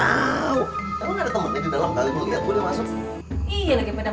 abang sih jangan bener